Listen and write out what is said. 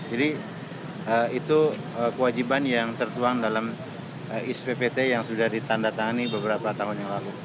jadi itu kewajiban yang tertuang dalam sippt yang sudah ditandatangani beberapa tahun yang lalu